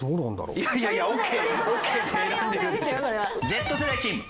Ｚ世代チーム。